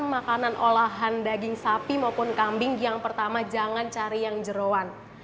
makanan olahan daging sapi maupun kambing yang pertama jangan cari yang jerawan